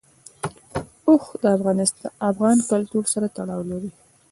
اوښ د افغان کلتور سره تړاو لري.